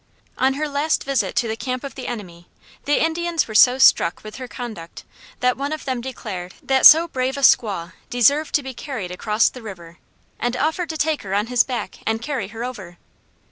On her last visit to the camp of the enemy, the Indians were so struck with her conduct that one of them declared that so brave a squaw deserved to be carried across the river, and offered to take her on his back and carry her over.